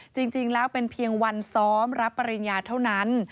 จริงแล้วเป็นเพียงวันซ้อมรับปริญญาเท่านั้น